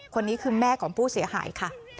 คนนี้คือแม่ของผู้เสียหายค่ะ